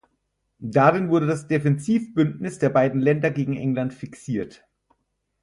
Darin wurde das Defensivbündnis der beiden Länder gegen England fixiert.